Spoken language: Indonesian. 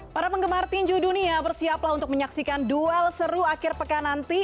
para penggemar tinju dunia bersiaplah untuk menyaksikan duel seru akhir pekan nanti